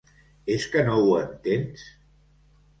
És que no ho entens?